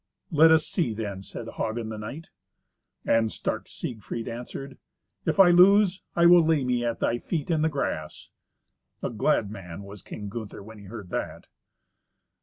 "Let us see then," said Hagen the knight. And stark Siegfried answered, "If I lose, I will lay me at thy feet in the grass." A glad man was King Gunther when he heard that!